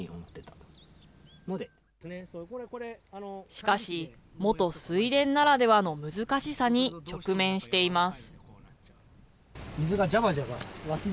しかし、元水田ならではの難しさに直面しています。